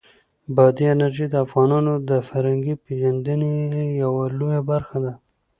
بادي انرژي د افغانانو د فرهنګي پیژندنې یوه لویه برخه ده.